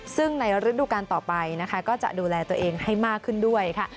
ซึ่งในฤดูการต่อไปนะคะก็จะดูแลตัวเองให้มากขึ้นด้วยค่ะ